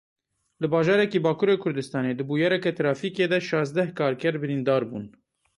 Li bajarekî Bakurê Kurdistanê di bûyereke trafîkê de şazdeh karker birîndar bûn.